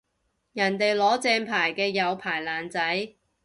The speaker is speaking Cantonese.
人哋攞正牌嘅有牌爛仔